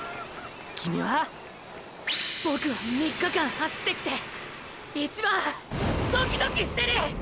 キミは⁉ボクは３日間走ってきて一番ドキドキしてる！！